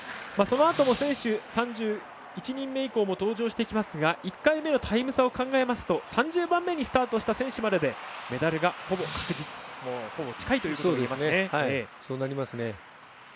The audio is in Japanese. そのあとも選手、３１人目以降も登場してきますが１回目のタイム差を考えますと３０番目にスタートした選手まででメダルがほぼ確実、ほぼ近いということが言えますね。